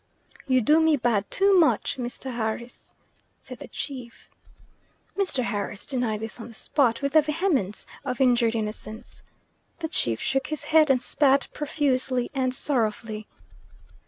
"You do me bad too much, Mr. Harris," said the chief. Mr. Harris denied this on the spot with the vehemence of injured innocence. The chief shook his head and spat profusely and sorrowfully.